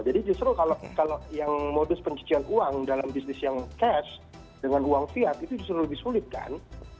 jadi justru kalau yang modus pencucian uang dalam bisnis yang cash dengan uang fiat itu justru lebih sulit kan